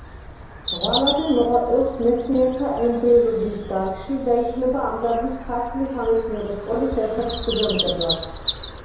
ღვალაძე მოღვაწეობს მცენარეთა ემბრიოლოგიის დარგში და ითვლება ამ დარგის ქართული სამეცნიერო სკოლის ერთ-ერთ ფუძემდებლად.